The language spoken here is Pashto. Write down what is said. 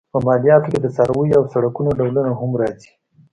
په مالیاتو کې د څارویو او سړکونو ډولونه هم راځي.